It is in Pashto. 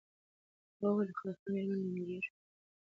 هغه وویل د خان مېرمن لنګیږي